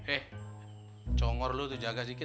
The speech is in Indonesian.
eh congor lo tuh jaga sikit